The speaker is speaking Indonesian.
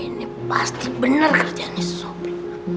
ini pasti bener kerjaan si sobri